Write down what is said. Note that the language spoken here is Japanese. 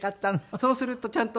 そうするとちゃんと上から。